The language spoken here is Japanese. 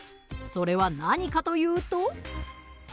それは何かというと。